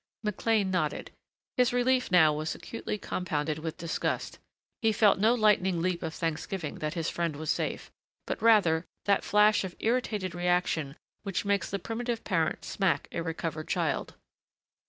McLean nodded. His relief now was acutely compounded with disgust. He felt no lightning leap of thanksgiving that his friend was safe, but rather that flash of irritated reaction which makes the primitive parent smack a recovered child.